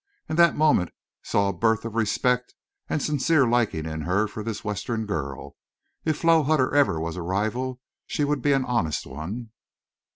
And that moment saw a birth of respect and sincere liking in her for this Western girl. If Flo Hutter ever was a rival she would be an honest one.